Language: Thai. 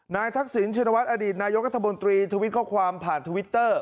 ทักษิณชินวัฒนอดีตนายกัธมนตรีทวิตข้อความผ่านทวิตเตอร์